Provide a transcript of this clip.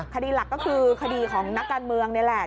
คดีหลักก็คือคดีของนักการเมืองนี่แหละ